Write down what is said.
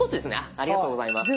ありがとうございます。